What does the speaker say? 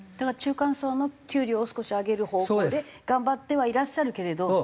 だから中間層の給料を少し上げる方向で頑張ってはいらっしゃるけれど。